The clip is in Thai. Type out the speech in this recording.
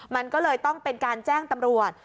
มันก็เลยต้องเป็นการแจ้งตำรวจ